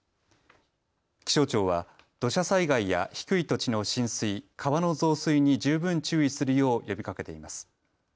気象庁は土砂災害や低い土地の浸水川の増水に十分注意するよう呼びかけています。